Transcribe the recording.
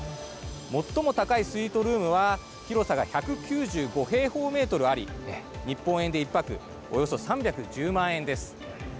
最も高いスイートルームは広さが１９５平方メートルあり日本円で１泊およそ３１０万円です。